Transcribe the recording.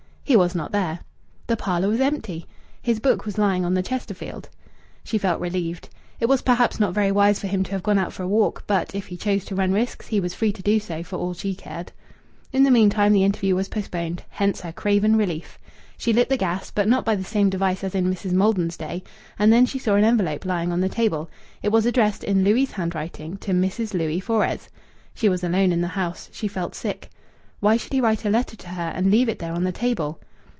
He was not there. The parlour was empty. His book was lying on the Chesterfield. She felt relieved. It was perhaps not very wise for him to have gone out for a walk, but if he chose to run risks, he was free to do so, for all she cared. In the meantime the interview was postponed; hence her craven relief. She lit the gas, but not by the same device as in Mrs. Maldon's day; and then she saw an envelope lying on the table. It was addressed in Louis' handwriting to "Mrs. Louis Fores." She was alone in the house. She felt sick. Why should he write a letter to her and leave it there on the table?